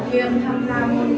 và tất cả mọi người